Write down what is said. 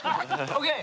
ＯＫ。